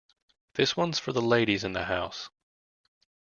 This one's for the ladies in the house.